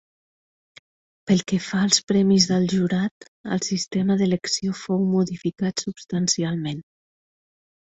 Pel que fa als premis del jurat, el sistema d'elecció fou modificat substancialment.